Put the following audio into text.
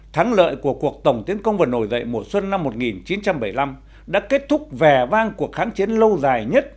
thắng lợi của cuộc tổng tiến công và nổi dậy mùa xuân năm một nghìn chín trăm bảy mươi năm đã kết thúc vẻ vang cuộc kháng chiến lâu dài nhất